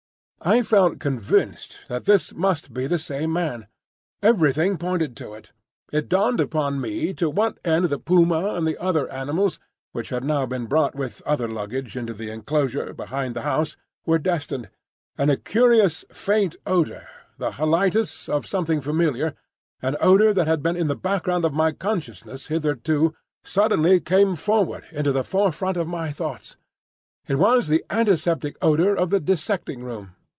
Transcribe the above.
I felt convinced that this must be the same man. Everything pointed to it. It dawned upon me to what end the puma and the other animals—which had now been brought with other luggage into the enclosure behind the house—were destined; and a curious faint odour, the halitus of something familiar, an odour that had been in the background of my consciousness hitherto, suddenly came forward into the forefront of my thoughts. It was the antiseptic odour of the dissecting room.